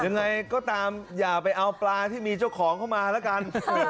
ยังไงก็ตามอย่าไปเอาปลาที่มีเจ้าของเข้ามาแล้วกัน